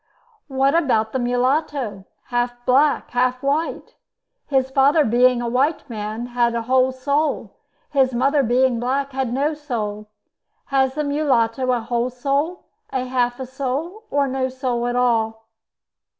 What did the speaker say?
"What about the mulatto? Half black, half white. His father being a white man had a whole soul; his mother being black had no soul. Has the mulatto a whole soul, half a soul, or no soul at all?"